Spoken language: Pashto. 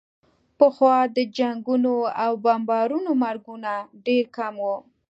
پخوا د جنګونو او بمبارونو مرګونه ډېر کم وو.